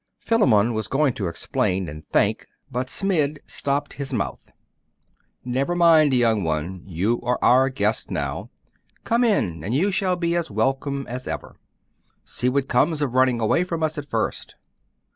Philammon was going to explain and thank, but Smid stopped his mouth. 'Never mind, young one, you are our guest now. Come in, and you shall be as welcome as ever. See what comes of running away from us at first.